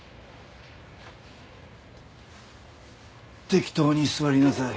適当に座りなさい。